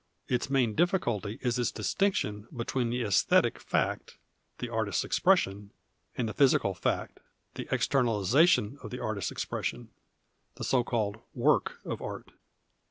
Its main difficulty is its distinction between the jcsthetic fact, the artists expression, and the physical fact, the 192 THE SECRET OF GREEK ART externalization of the artist's expression, the so called " work " of art.